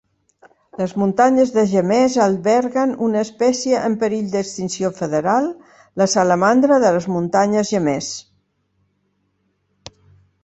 Les muntanyes de Jemez alberguen una espècie en perill d'extinció federal, la salamandra de les muntanyes Jemez.